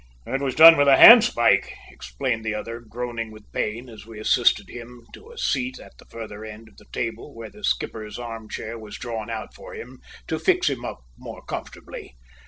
"It was done with a hand spike," explained the other, groaning with pain as we assisted him to a seat at the further end of the table, where the skipper's armchair was drawn out for him to fix him up more comfortably.